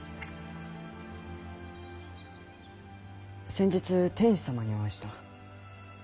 先日天子様にお会いした。